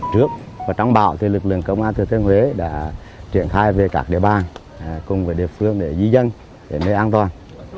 trước và trong bão lực lượng công an thừa thiên huế đã triển khai về các địa bàn cùng với địa phương để di dân đến nơi an toàn